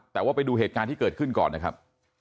แต่ว่าไปดูเหตุการณ์ที่เกิดขึ้นก่อนนะครับ